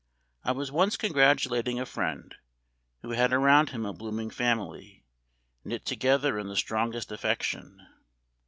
I was once congratulating a friend, who had around him a blooming family, knit together in the strongest affection.